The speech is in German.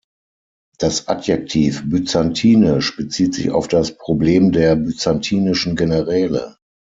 Das Adjektiv byzantinisch bezieht sich auf das "Problem der byzantinischen Generäle".